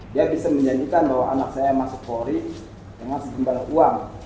dia bisa menjanjikan bahwa anak saya masih kori dengan sejumlah uang